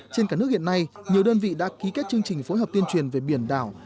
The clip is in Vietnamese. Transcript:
trên cả nước hiện nay nhiều đơn vị đã ký kết chương trình phối hợp tuyên truyền về biển đảo